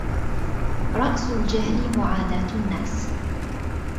رأس الجهل مُعاداة النّاس.